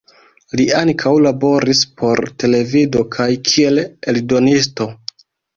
Li ankaŭ laboris por televido kaj kiel eldonisto.